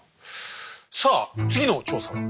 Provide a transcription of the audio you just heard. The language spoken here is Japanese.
さあ次の調査は？